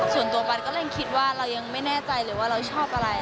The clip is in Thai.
ส่วนตัวปันก็เลยคิดว่าเรายังไม่แน่ใจเลยว่าเราชอบอะไร